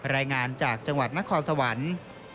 รายงานจากจังหวัดนครสวรรค์